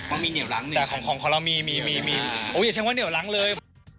เพราะมีเหนียวรั้งหนึ่งแต่ของของของเรามีมีมีมีมีโอ้ยอย่าใช่งว่าเหนียวรั้งเลย